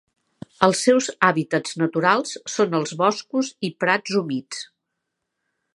Els seus hàbitats naturals són els boscos i prats humits.